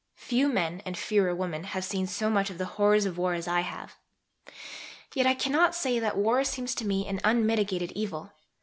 Few men and fewer women have seen so much of the horrors of war as I have. Yet I cannot say that war seems to me an unmitigated evil.